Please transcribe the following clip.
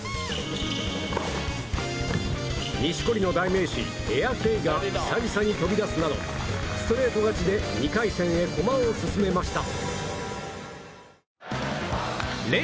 錦織の代名詞、エアケイが久々に飛び出すなどストレート勝ちで２回戦へ駒を進めました。